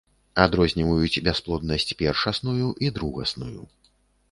Адрозніваюць бясплоднасць першасную і другасную.